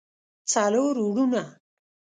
څلور وروڼه